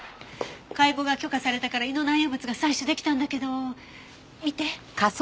解剖が許可されたから胃の内容物が採取できたんだけど見て。